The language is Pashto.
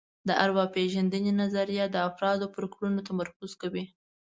د ارواپېژندنې نظریه د افرادو پر کړنو تمرکز کوي